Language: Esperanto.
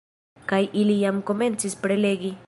Kaj ili jam komencis prelegi